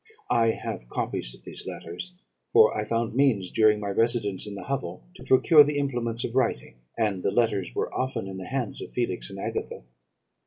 "I have copies of these letters; for I found means, during my residence in the hovel, to procure the implements of writing; and the letters were often in the hands of Felix or Agatha.